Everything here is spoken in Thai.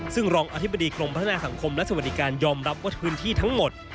ซึ่งรองอธิบดีกรมพัฒนาสังคมและสวัสดิการยอมรับว่าพื้นที่ทั้งหมด